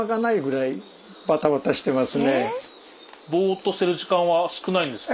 ぼっとしてる時間は少ないんですか？